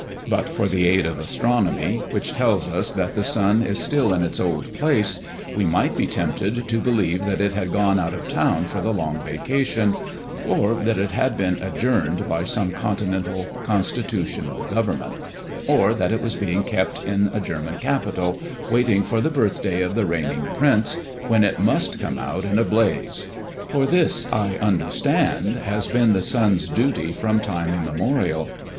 But for the aid of astronomy, which tells us that the sun is still in its old place, we might be tempted to believe that it had gone out of town for the long vacation; or that it had been adjourned by some continental constitutional government; or that it was being kept in a German capital, waiting for the birthday of the reigning prince, when it must come out in a blaze; for this, I understand, has been the sun's duty from time immemorial.